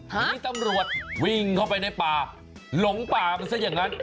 ทีนี้ตำรวจวิ่งเข้าไปในป่าหลงป่ามันซะอย่างนั้น